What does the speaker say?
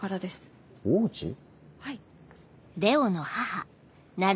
はい。